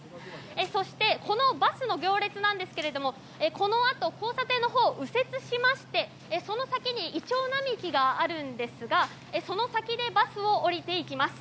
そしてこのバスの行列なんですがこのあと交差点のほうを右折しましてその先にイチョウ並木があるんですがその先でバスを降りていきます。